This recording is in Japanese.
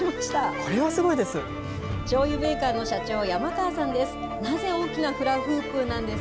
これはすごいです。